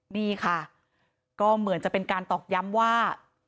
นี่ค่ะก็เหมือนจะเป็นการตอกย้ำว่า